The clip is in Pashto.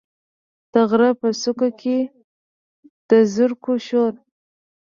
د غره په څوکو کې، د زرکو شور،